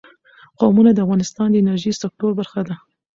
قومونه د افغانستان د انرژۍ سکتور برخه ده.